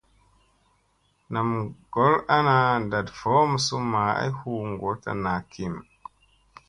Nam gol ana ndat voʼom summa ay huu ngotta naa kim.